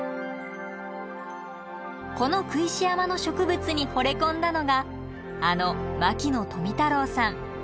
この工石山の植物にほれ込んだのがあの牧野富太郎さん。